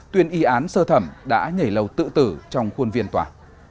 tuyên y án sơ thẩm đã nhảy lầu tự tử trong khuôn viên tòa